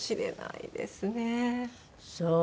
そう。